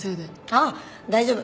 ああ大丈夫。